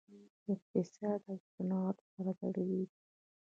اقتصاد او صنعت سره تړلي دي